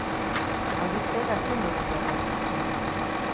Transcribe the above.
Albisteek astindu egin behar gaituzte.